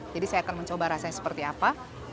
jadi saya akan mencoba rasanya seperti apa